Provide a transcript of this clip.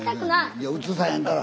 いや映さへんから。